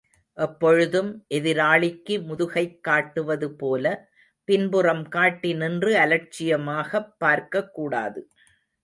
எப்பொழுதும் எதிராளிக்கு முதுகைக் காட்டுவது போல பின்புறம் காட்டி நின்று அலட்சியமாகப் பார்க்கக்கூடாது.